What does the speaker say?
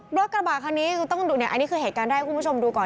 รถกระบะคันนี้ต้องดูเนี่ยอันนี้คือเหตุการณ์แรกให้คุณผู้ชมดูก่อน